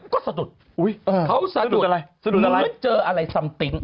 ก็สะดุดเขาสะดุดเหมือนเจออะไรซัมติ้ง